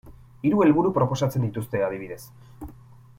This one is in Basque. Hiru helburu proposatzen dituzte, adibidez.